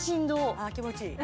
あ気持ちいい